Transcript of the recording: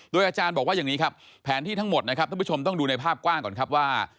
อาจารย์บอกว่าอย่างนี้ครับแผนที่ทั้งหมดนะครับท่านผู้ชมต้องดูในภาพกว้างก่อนครับว่า